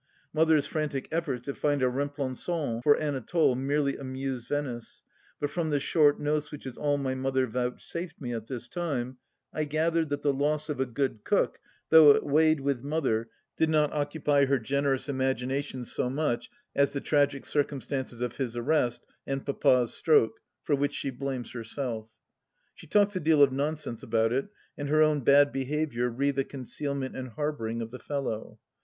Mother's frantic efforts to find a remplagant for Anatole merely amuse Venice, but from the short notes which is all my Mother vouchsafed me at this time I gathered that the loss of a good cook, though it weighed with Mother, did not occupy her generous imagina tion so much as the tragic circumstances of his arrest and Papa's stroke, for which she blames herself. She talks a deal of nonsense about it and her own bad behaviour re the concealment and harbouring of the fellow.